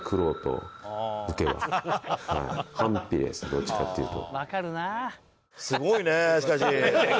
どっちかっていうと。